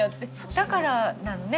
だからなのね